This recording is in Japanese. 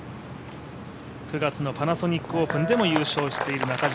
９月のパナソニックオープンでも優勝している中島。